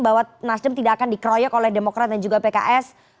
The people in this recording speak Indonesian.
bahwa nasdem tidak akan dikeroyok oleh demokrat dan juga pks